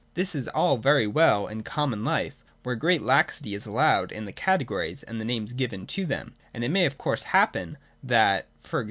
This is all very well in common life, where great laxity is allowed in the categories and the names given to them : and it may of course happen that e.g.